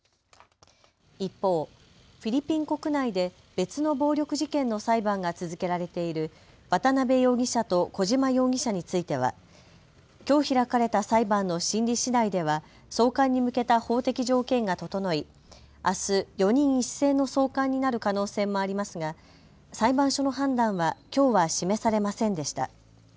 一方、フィリピン国内で別の暴力事件の裁判が続けられている渡邉容疑者と小島容疑者についてはきょう開かれた裁判の審理しだいでは送還に向けた法的条件が整い、あす４人一斉の送還になる可能性もありますが裁判所の判断はきょうは示されませんでした。